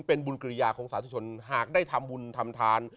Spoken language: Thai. เป็นบุญกริยาของสาธุชนหากได้ทำบุญทำทาน